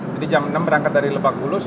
jadi jam enam berangkat dari lebakbulus